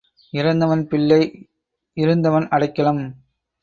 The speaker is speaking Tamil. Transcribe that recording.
இறந்தவன் பிள்ளை இருந்தவன் அடைக்கலம்.